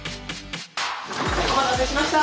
お待たせしました。